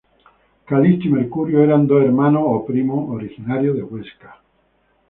Calixto y Mercurio eran dos hermanos o primos, originarios de Huesca.